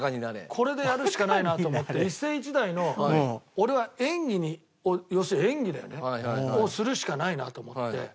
これでやるしかないなと思って一世一代の俺は演技に要するに演技だよね。をするしかないなと思って。